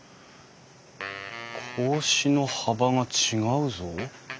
格子の幅が違うぞ。